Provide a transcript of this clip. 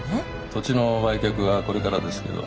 土地の売却はこれからですけど。